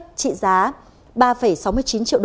trị giá là ba sáu mươi chín triệu usd